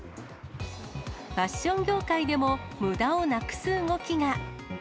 ファッション業界でもむだをなくす動きが。